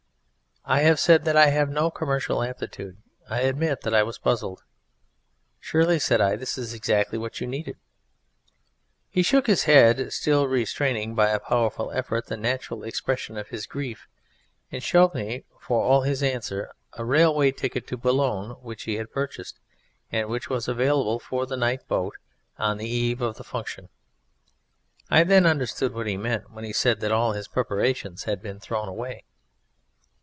I have said that I have no commercial aptitude; I admit that I was puzzled. "Surely," said I, "this is exactly what you needed?" He shook his head, still restraining, by a powerful effort, the natural expression of his grief, and showed me, for all his answer, a rail way ticket to Boulogne which he had purchased, and which was available for the night boat on the eve of the Function. I then understood what he meant when he said that all his preparations had been thrown away.